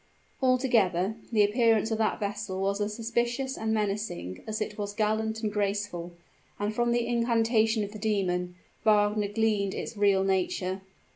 Altogether, the appearance of that vessel was as suspicious and menacing as it was gallant and graceful; and from the incantation of the demon, Wagner gleaned its real nature.